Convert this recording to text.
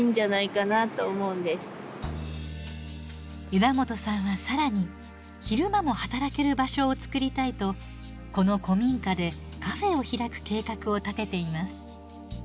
枝元さんは更に昼間も働ける場所を作りたいとこの古民家でカフェを開く計画を立てています。